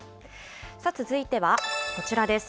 続いてはこちらです。